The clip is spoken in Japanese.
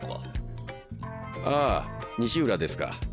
あ西浦ですか。